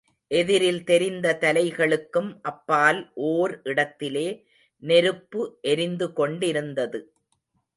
எதிரில் தெரிந்த தலைகளுக்கும் அப்பால் ஓர் இடத்திலே நெருப்பு எரிந்து கொண்டிருந்தது.